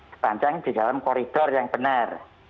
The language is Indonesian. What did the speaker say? sepanjang di dalam koridor yang benar